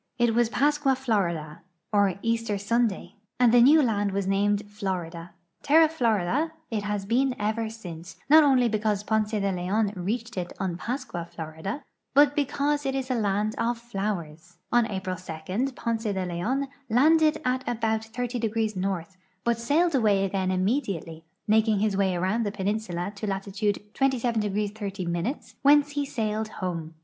It was Pascua Florida, or Easter Sunday, and the new land was named Florida. Terra Florida it has been ever since, not only be cause Ponce de Leon reached it on Pascua Florida, but because it is a land of flowers. On Ai>ril 2 Ponce de Leon landed at about 30° N.,but sailed away again immediately, making his Avay around the i)eninsula to latitude 27° 30', whence he sailed home.